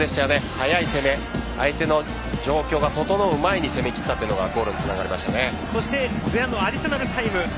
速い攻めで相手の状況が整う前に攻めきったというのがそして前半のアディショナルタイム。